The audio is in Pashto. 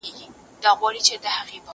زه پرون ليک لولم وم،